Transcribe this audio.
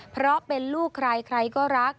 เพราะเป็นลูกใครใครก็รัก